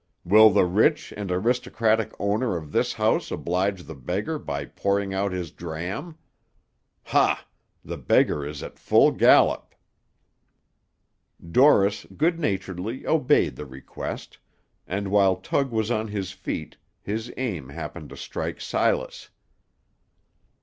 Will the rich and aristocratic owner of this house oblige the beggar by pouring out his dram? Ha! the beggar is at full gallop." Dorris good naturedly obeyed the request, and while Tug was on his feet, his aim happened to strike Silas.